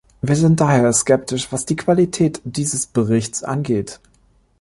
Wir sind daher skeptisch, was die Qualität dieses Berichts angeht.